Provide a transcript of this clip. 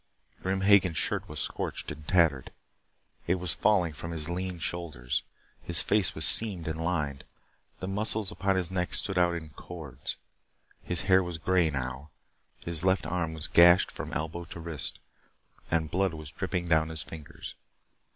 Grim Hagen's shirt was scorched and tattered. It was falling from his lean shoulders. His face was seamed and lined. The muscles upon his neck stood out in cords. His hair was gray now. His left arm was gashed from elbow to wrist, and blood was dripping down his fingers.